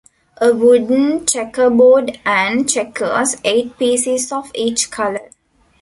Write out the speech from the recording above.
A wooden checkerboard and checkers, eight pieces of each colour.